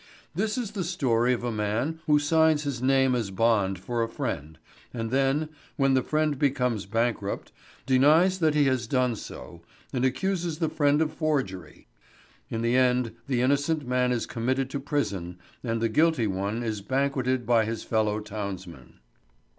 This is the story of a man who signs his name as bond for a friend, and then, when the friend becomes bankrupt, denies that he has done so and accuses the friend of forgery. In the end the innocent man is committed to prison and the guilty one is banqueted by his fellow townsmen.